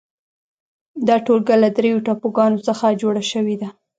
دا ټولګه له درېو ټاپوګانو څخه جوړه شوې ده.